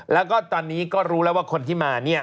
แล้วก็ตอนนี้ก็รู้แล้วว่าคนที่มาเนี่ย